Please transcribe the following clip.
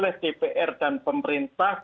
oleh dpr dan pemerintah